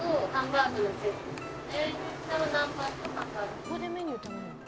「ここでメニュー頼むの？」